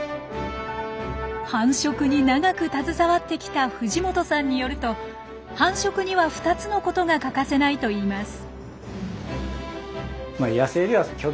繁殖に長く携わってきた藤本さんによると繁殖には２つのことが欠かせないといいます。